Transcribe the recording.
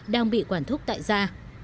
đang bị quản thúc tại ra